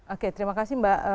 oke terima kasih mbak